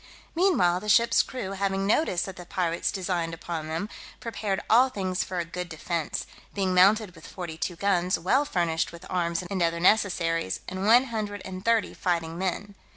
Meanwhile, the ship's crew having notice that the pirates designed upon them, prepared all things for a good defence, being mounted with forty two guns, well furnished with arms and other necessaries, and one hundred and thirty fighting men.